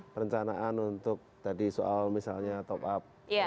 perencanaan untuk tadi soal misalnya top up